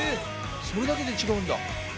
それだけで違うんだ。